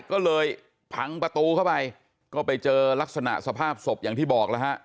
ก็เลยพังประตูเข้าไปก็ไปเจอลักษณะสภาพศพอย่างที่บอกแล้วฮะ